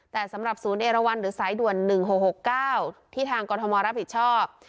แต่สำหรับศูนย์เอราวันหรือสายด่วน๑๖๖๙ที่ทางกรทมรับผิดชอบ